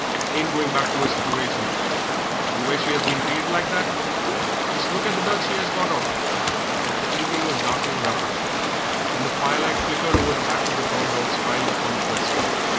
Ain't going back to 'er sitooation, and where she 'as been treated like that just look at the duds she 'as got on." The evening was darkening rapidly, and the firelight flickered over the back of the toy dogs piled up on the dresser.